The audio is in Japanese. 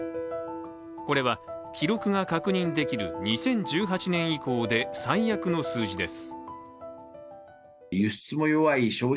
これは記録が確認できる２０１８年以降で最悪の数字です。